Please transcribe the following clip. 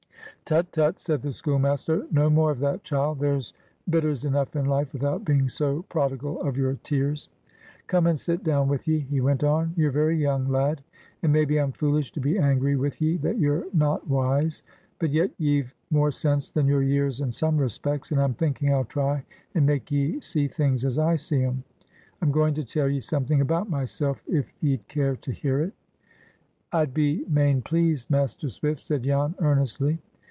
"Tut, tut!" said the schoolmaster. "No more of that, child. There's bitters enough in life, without being so prodigal of your tears." "Come and sit down with ye," he went on. "You're very young, lad, and maybe I'm foolish to be angry with ye that you're not wise. But yet ye've more sense than your years in some respects, and I'm thinking I'll try and make ye see things as I see 'em. I'm going to tell ye something about myself, if ye'd care to hear it." "I'd be main pleased, Master Swift," said Jan, earnestly.